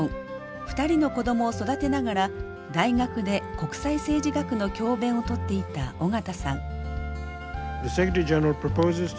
２人の子どもを育てながら大学で国際政治学の教べんをとっていた緒方さん。